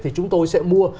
thì chúng tôi sẽ mua